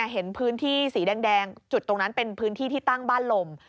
เห็นพื้นที่สีแดงจุดตรงนั้นเป็นพื้นที่ที่ตั้งบ้านลม